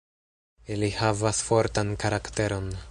Ili havas fortan karakteron.